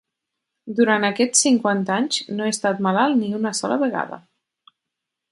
Durant aquests cinquanta anys, no he estat malalt ni una sola vegada.